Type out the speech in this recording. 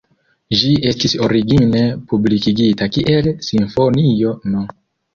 Ĝi estis origine publikigita kiel "Simfonio No.